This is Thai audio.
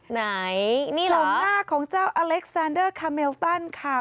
ไหนนี่หลังหน้าของเจ้าอเล็กซานเดอร์คาเมลตันค่ะ